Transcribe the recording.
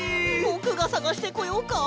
ぼくがさがしてこようか！？